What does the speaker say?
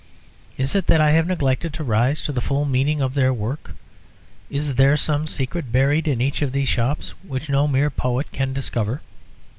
Is it that I have neglected to rise to the full meaning of their work? Is there some secret buried in each of these shops which no mere poet can discover?"